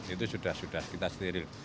itu sudah sudah kita steril